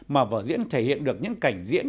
mà vở diễn thể hiện được những cảnh diễn